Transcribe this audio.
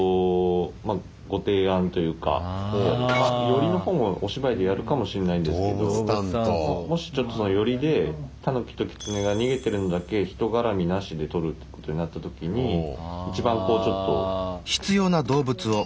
寄りの方をお芝居でやるかもしれないんですけどもしちょっとそういう寄りでタヌキとキツネが逃げているのだけ人絡みなしで撮ることになった時に一番こうちょっと。